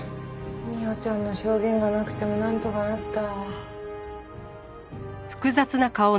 未央ちゃんの証言がなくてもなんとかなった。